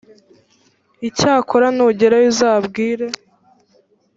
icyakora nugerayo uzabwire